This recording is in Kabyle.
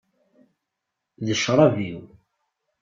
D ccrab-iw.